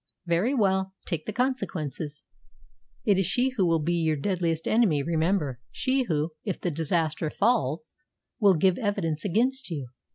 Very well, take the consequences. It is she who will be your deadliest enemy, remember; she who, if the disaster falls, will give evidence against you.